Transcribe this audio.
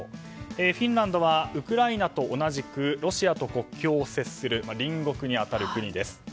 フィンランドはウクライナと同じくロシアと国境を接する隣国に当たる国です。